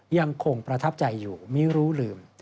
ยังคงประทับใจอยู่ไม่รู้ลืม